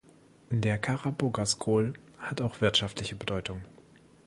Der Kara-Bogas-Gol hat auch wirtschaftliche Bedeutung.